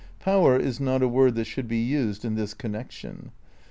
"Power" is not a word that should be used in this connection.